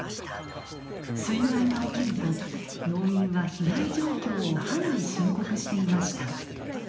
水害が起きると農民は被害状況を藩に申告していました。